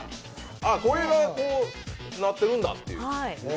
ああ、これがこうなってるんだっていう。